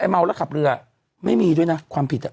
เมาแล้วขับเรือไม่มีด้วยนะความผิด